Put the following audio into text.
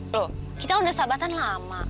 loh kita udah sahabatan lama